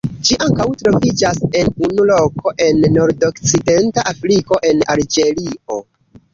Ĝi ankaŭ troviĝas en unu loko en nordokcidenta Afriko en Alĝerio.